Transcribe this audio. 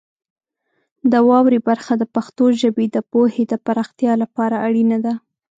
د واورئ برخه د پښتو ژبې د پوهې د پراختیا لپاره اړینه ده.